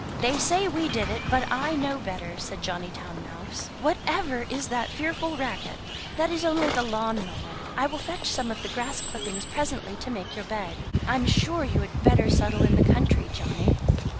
"They say we did it; but I know better," said Johnny Town mouse. "Whatever is that fearful racket?" "That is only the lawn mower; I will fetch some of the grass clippings presently to make your bed. I am sure you had better settle in the country, Johnny."